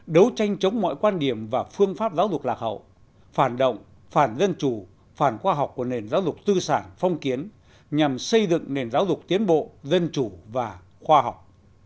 đấu tranh chống mọi quan điểm và phương pháp giáo dục lạc hậu phản động phản dân chủ phản khoa học của nền giáo dục tư sản phong kiến nhằm xây dựng nền giáo dục tiến bộ dân chủ và khoa học